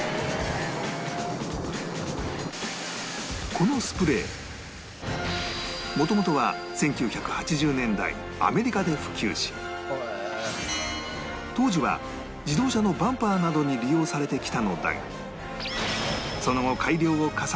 このスプレーもともとは１９８０年代アメリカで普及し当時は自動車のバンパーなどに利用されてきたのだがその後改良を重ね